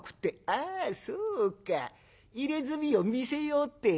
ああそうか入れ墨を見せようってえのか。